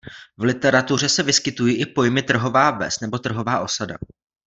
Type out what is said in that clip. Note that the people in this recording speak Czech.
V literatuře se vyskytují i pojmy trhová ves nebo trhová osada.